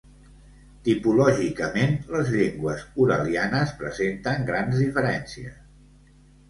Tipològicament, les llengües uralianes presenten grans diferències.